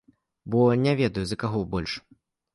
Бо не ведаю, за каго больш.